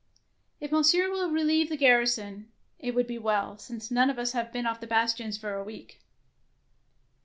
'' ''If Monsieur will relieve the garri son, it would be well, since none of us have been off the bastions for a week."